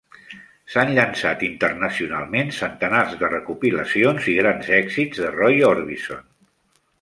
S'han llançat internacionalment centenars de recopilacions i grans èxits de Roy Orbison.